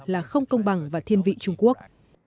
là không công bằng và thiên vị trung quốc